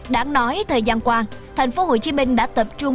đáng nói thời gian qua thành phố hồ chí minh đã tập trung